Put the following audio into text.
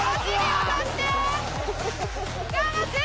頑張って！